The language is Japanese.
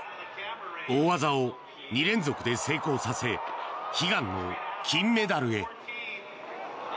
大技を２連続で成功させ悲願の金メダルへ。